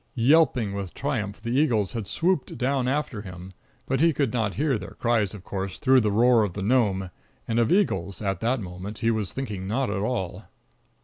Yelping with triumph, the eagles had swooped down after him; but he could not hear their cries, of course, through the roar of the Gnome; and of eagles, at that moment, he was thinking not at all.